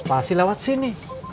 pasti lewat sini